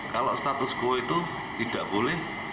kalau status quo itu tidak boleh